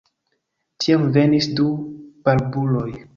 Tiam venis du barbuloj.